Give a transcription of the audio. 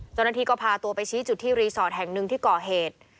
เจ้าหน้าที่ก็พาตัวไปชี้จุดที่รีสอร์ทแห่งหนึ่งที่ก่อเหตุ